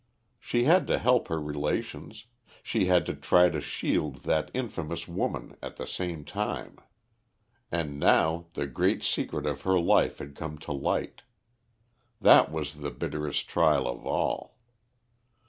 She had to help her relations; she had to try to shield that infamous woman at the same time. And now the great secret of her life had come to light. That was the bitterest trial of all.